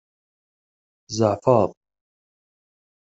Tzeɛfeḍ?